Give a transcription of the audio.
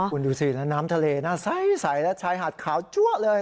คุณดูสิแล้วน้ำทะเลหน้าใสและชายหาดขาวจั๊วเลย